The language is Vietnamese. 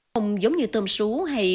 không giống như tôm sú hay